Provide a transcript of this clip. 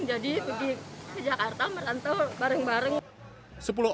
jadi pergi ke jakarta merantau bareng bareng